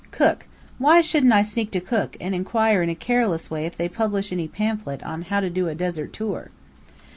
Cook! Why shouldn't I sneak to Cook, and inquire in a careless way if they publish any pamphlet on "How to Do a Desert Tour."